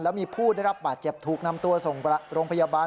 แล้วมีผู้ได้รับบาดเจ็บถูกนำตัวส่งโรงพยาบาล